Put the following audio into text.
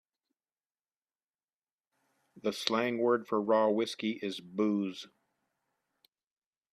The slang word for raw whiskey is booze.